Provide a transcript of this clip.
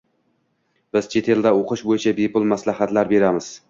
Biz chet elda oʻqish boʻyicha bepul maslahatlar beramiz.